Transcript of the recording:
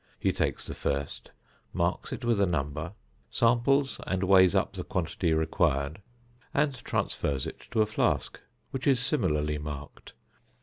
He takes the first, marks it with a number, samples and weighs up the quantity required, and transfers it to a flask, which is similarly marked.